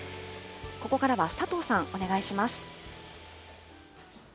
ここからは佐藤さん、お願いします。